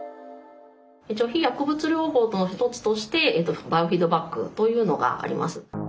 一応非薬物療法の一つとしてバイオフィードバックというのがあります。